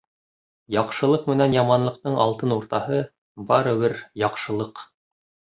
Яҡшылыҡ менән яманлыҡтың алтын уртаһы — барыбер яҡшылыҡ.